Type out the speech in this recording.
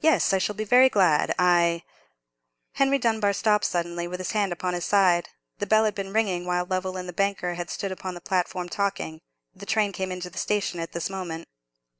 "Yes, I shall be very glad; I——" Henry Dunbar stopped suddenly, with his hand upon his side. The bell had been ringing while Lovell and the banker had stood upon the platform talking. The train came into the station at this moment.